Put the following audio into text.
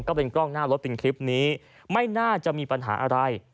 ก็เป็นกล้องหน้ารถเป็นคลิปนี้ไม่น่าจะมีปัญหาอะไร